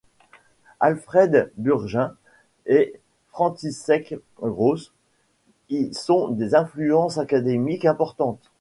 Alfred Bürgin et František Graus y sont des influences académiques importantes.